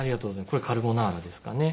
これカルボナーラですかね。